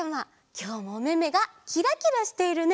きょうもおめめがキラキラしているね！